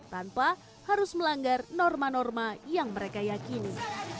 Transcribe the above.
tanpa harus melanggar norma norma yang mereka yakini